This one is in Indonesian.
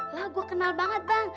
lah gue kenal banget bang